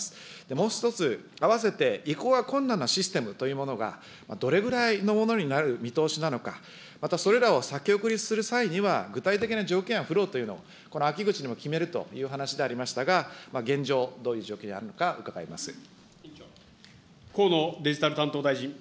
もう１つ、あわせて移行が困難なシステムというものが、どれぐらいのものになる見通しなのか、また、それらを先送りする際には、具体的な条件やフローというものを、この秋口にも決めるという話でありましたが、現状、どういう河野デジタル担当大臣。